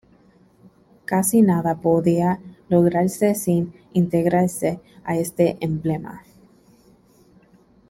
Casi nada podía lograrse sin integrarse a este emblema.